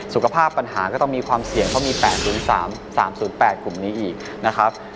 สุขภาพปัญหาก็ต้องมีความเสี่ยงเพราะมี๘๐๓๓๐๘กลุ่มนี้อีกนะครับ